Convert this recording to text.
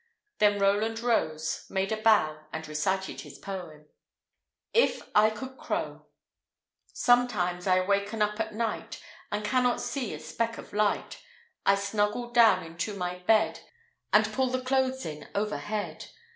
Then Roland rose, made a bow, and recited his poem: IF I COULD CROW Sometimes I waken up at night, And cannot see a speck of light; I snuggle down into my bed, And pull the clothes in overhead.